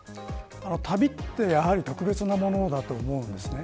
旅はやはり特別なものだと思うんです。